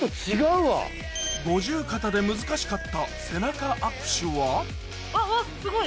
五十肩で難しかった背中握手はうわすごい。